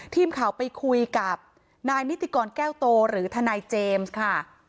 ทีมข่าวไปคุยกับนายนิติกรแก้วโตหรือทนายเจมส์ค่ะ